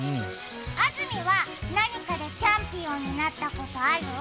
安住は、何かのチャンピオンになったことある？